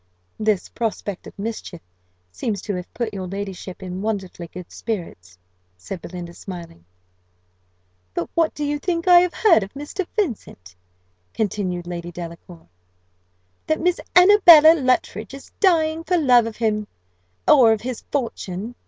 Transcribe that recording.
"This prospect of mischief seems to have put your ladyship in wonderfully good spirits," said Belinda, smiling. "But what do you think I have heard of Mr. Vincent?" continued Lady Delacour: "that Miss Annabella Luttridge is dying for love of him or of his fortune.